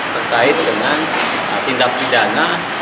terkait dengan tindak pidana